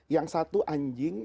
yang satu anjing